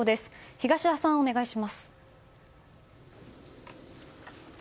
東田さん、お願いします。